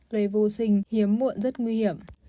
lời vô sinh hiếm muộn rất nguy hiểm